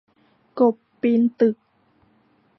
กบปีนตึก